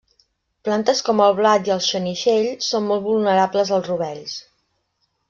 Plantes com el blat i el xenixell són molt vulnerables als rovells.